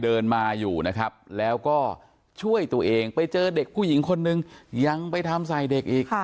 เดินมาอยู่นะครับแล้วก็ช่วยตัวเองไปเจอเด็กผู้หญิงคนนึงยังไปทำใส่เด็กอีก